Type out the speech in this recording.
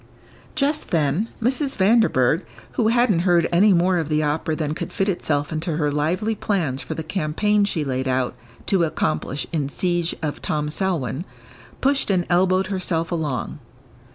Just then Mrs. Vanderburgh, who hadn't heard any more of the opera than could fit itself into her lively plans for the campaign she laid out to accomplish in siege of Tom Selwyn, pushed and elbowed herself along.